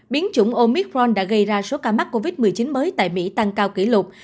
biến chủng omicron đã gây ra số ca mắc covid một mươi chín mới tại mỹ tăng cao kỷ lục